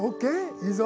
いいぞ！